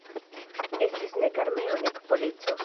Estis nek armeo nek polico.